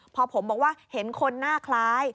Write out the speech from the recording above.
พอผมบอกว่าเห็นคนหน้าคล้าย